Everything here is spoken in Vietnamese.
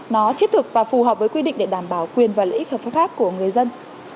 nó thiết thực và phù hợp với quy định để đảm bảo quyền và lợi ích hợp pháp khác của người dân